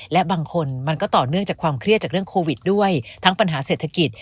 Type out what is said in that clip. และบางคนมันก็ต่อเนื่องจากความเครียดจากเรื่องโควิดด้วยทั้งปัญหาเศรษฐกิจ